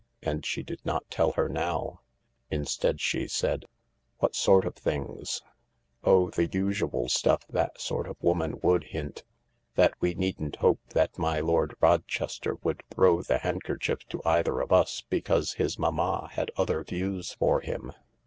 And she did not tell her now. Instead she said :" What sort of things ?"" Oh, the usual stuff that sort of woman would hint : that we needn't hope that my Lord Rochester would throw the handkerchief to either of us, because his mamma had other views for him."